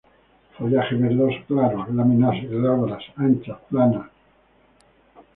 Follaje verdoso claro, láminas glabras, anchas, planas.